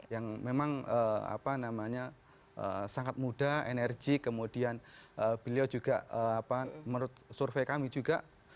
yang memang apa namanya sangat muda enerjik kemudian beliau juga menurut survei kami juga